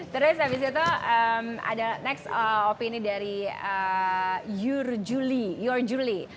terus abis itu ada next opini dari yur juli